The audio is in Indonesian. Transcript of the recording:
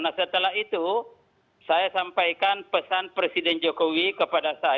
nah setelah itu saya sampaikan pesan presiden jokowi kepada saya